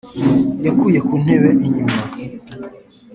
yakuye ku ntebe-inyuma,